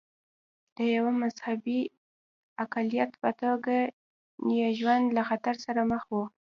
د یوه مذهبي اقلیت په توګه یې ژوند له خطر سره مخ و.